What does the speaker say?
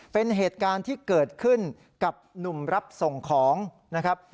เป็นเหตุการณ์ที่เกิดขึ้นกับหนุ่มรับส่งของนะครับ